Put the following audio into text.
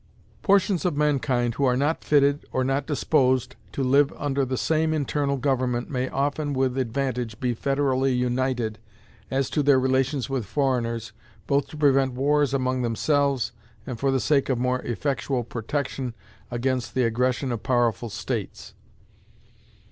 Portions of mankind who are not fitted or not disposed to live under the same internal government may often, with advantage, be federally united as to their relations with foreigners, both to prevent wars among themselves, and for the sake of more effectual protection against the aggression of powerful states.